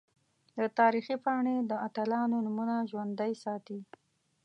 د تاریخ پاڼې د اتلانو نومونه ژوندۍ ساتي.